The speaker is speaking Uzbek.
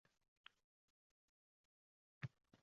Hazratim… Hazratim… Tinglang… yo pirim.